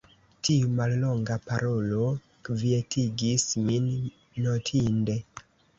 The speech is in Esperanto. Tiu mallonga parolo kvietigis min notinde.